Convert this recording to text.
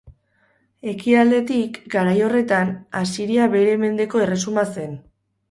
Ekialdetik, garai horretan, Asiria bere mendeko erresuma zen.